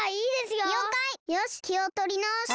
よしきをとりなおして。